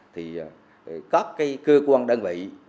thì các cơ quan đơn vị